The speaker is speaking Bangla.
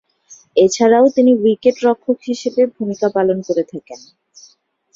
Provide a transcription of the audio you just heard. এছাড়াও তিনি উইকেট-রক্ষক হিসেবে ভূমিকা পালন করে থাকেন।